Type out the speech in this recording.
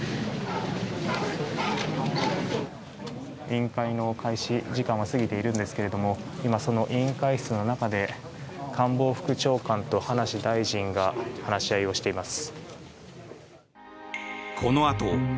委員会の開始時間は過ぎているんですがその委員会室の中で官房副長官と葉梨大臣が話し合いをしています。